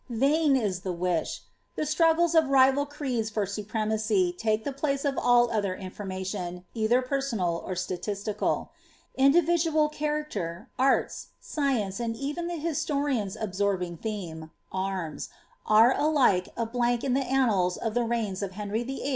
Vain is the wish ; the Xniggles of rival creede for supremacy take the place of all other infor tauton, either personal, or statisiictd ; individual charictcr, arts, science, •od even the historian's alwiorbing theme — arms, are alike a blank in the •MMk of the reigns of Henry VIII.